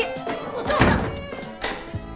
お父さん！